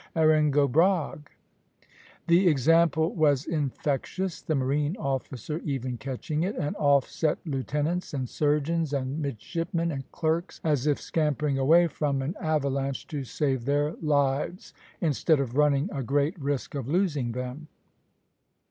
Erin go bragh!" The example was infectious, the marine officer even catching it, and off set lieutenants and surgeons, and midshipmen and clerks, as if scampering away from an avalanche to save their lives, instead of running a great risk of losing them.